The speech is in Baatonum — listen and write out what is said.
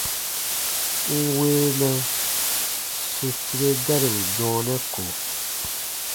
N weenɛ su tire garibu dɔɔnɛ ko.